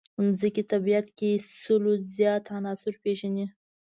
ځمکې طبیعت کې سلو زیات عناصر پېژندلي.